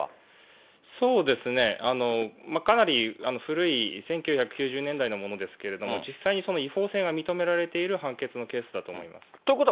かなり古い１９９０年代のものですけれども、実際に違法性が認められている判決のケースだと思います。